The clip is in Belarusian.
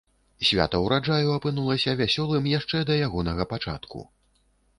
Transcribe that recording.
Свята ўраджаю апынулася вясёлым яшчэ да ягонага пачатку.